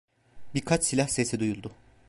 Birkaç silah sesi duyuldu.